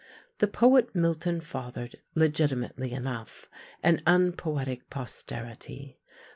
The poet Milton fathered, legitimately enough, an unpoetic posterity.